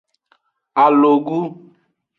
Alogu.